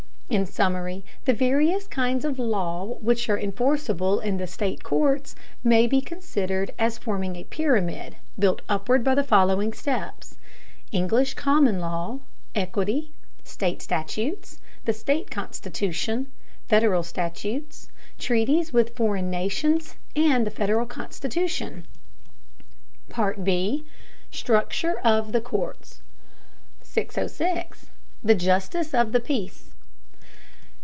In summary, the various kinds of law which are enforceable in the state courts may be considered as forming a pyramid, built upward by the following steps: English common law, equity, state statutes, the state constitution, Federal statutes, treaties with foreign nations, and the Federal Constitution. B. STRUCTURE OF THE COURTS 606. THE JUSTICE OF THE PEACE.